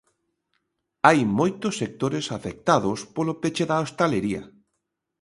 Hai moitos sectores afectados polo peche da hostalería.